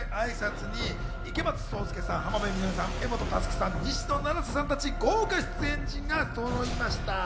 記念舞台挨拶に池松壮亮さん、浜辺美波さん、柄本佑さん、西野七瀬さんら豪華出演陣の皆さんがそろいました。